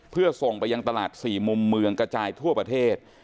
เพื่อส่งไปยังตลาด๔มุมเมืองกระจายทั่วประเทศ